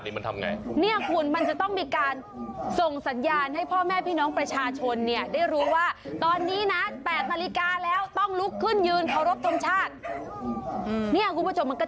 นี่ไงทุกคนยืนตรงพร้อมนะร้องเพลงชัดพร้อมกัน